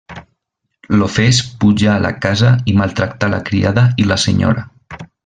L'ofès pujà a la casa i maltractà la criada i la senyora.